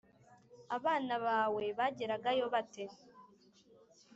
Abana bawe bageragayo bate